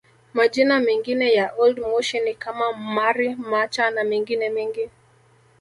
Majina mengine ya Old Moshi ni kama Mmari Macha na mengine mengi